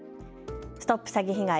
ＳＴＯＰ詐欺被害！